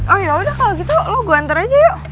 oh yaudah kalo gitu lo gue ntar aja yuk